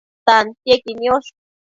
tantiequi niosh